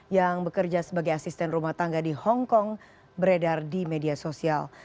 yang bekerja sebagai asisten rumah tangga di hongkong beredar di media sosial